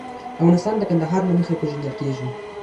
افغانستان د کندهار له مخې پېژندل کېږي.